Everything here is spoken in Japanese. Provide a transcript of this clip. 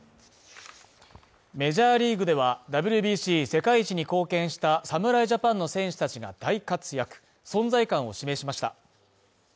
メジャーリーグではＷＢＣ世界一に貢献した侍ジャパンの選手たちが大活躍存在感を示しました。